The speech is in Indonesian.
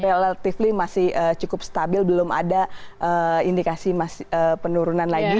relatively masih cukup stabil belum ada indikasi penurunan lagi